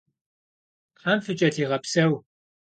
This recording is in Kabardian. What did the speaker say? Тхьэм фыкӏэлъигъэпсэу.